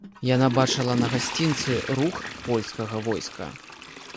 Яна бачыла на гасцінцы рух польскага войска.